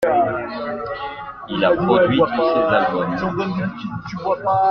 Il a produit tous ses albums.